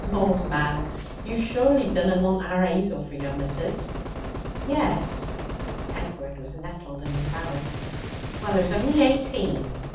Laws, man! you surely dunna want our 'Azel for your missus?' 'Yes.' Edward was nettled and embarrassed. 'Well, 'er's only eighteen.'